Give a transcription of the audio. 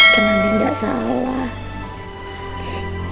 tante ga salah